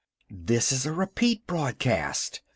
"This is a repeat broadcast!"